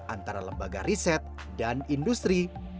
antara lembaga riset dan industri